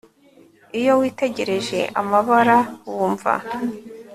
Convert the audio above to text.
Iyo witegereje amabara wumva